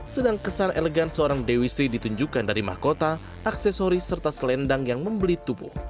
sedang kesan elegan seorang dewi sri ditunjukkan dari mahkota aksesori serta selendang yang membeli tubuh